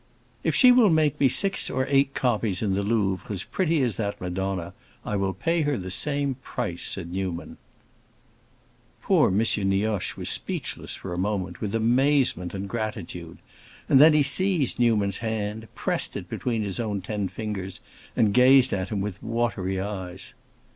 "If she will make me six or eight copies in the Louvre as pretty as that Madonna, I will pay her the same price," said Newman. Poor M. Nioche was speechless a moment, with amazement and gratitude, and then he seized Newman's hand, pressed it between his own ten fingers, and gazed at him with watery eyes.